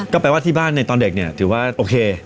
ก็แปลว่าที่บ้านในตอนเด็กเนี่ยถือว่าโอเค